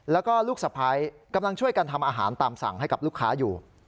แล้วก็ลูกสะพ้ายกำลังช่วยกันทำอาหารตามสั่งให้กับลูกค้าอยู่